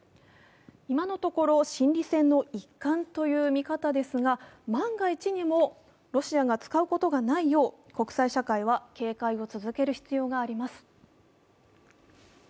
今のところ心理戦の一環という見方ですが、万が一にもロシアが使うことがないよう国際社会は警戒を続ける必要があります。